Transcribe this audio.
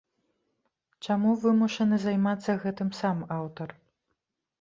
Чаму вымушаны займацца гэтым сам аўтар?